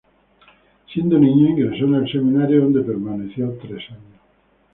Siendo niño ingresó en el seminario, donde permaneció tres años.